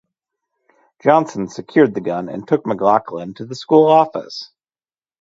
Johnson secured the gun and took McLaughlin to the school office.